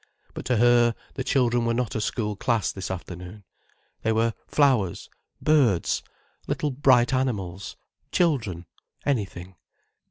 But to her, the children were not a school class this afternoon. They were flowers, birds, little bright animals, children, anything.